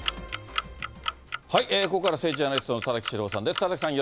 ここからは政治アナリストの田崎史郎さんです。